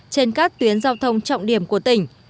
trên các tuyến giao thông trọng điểm của tỉnh